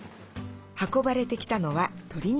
運ばれてきたのは鶏肉。